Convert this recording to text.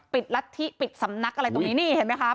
รัฐธิปิดสำนักอะไรตรงนี้นี่เห็นไหมคะ